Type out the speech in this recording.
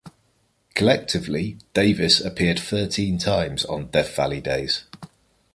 Collectively, Davis appeared thirteen times on "Death Valley Days".